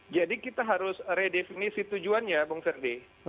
jadi kita harus redefinisi tujuannya bung ferdi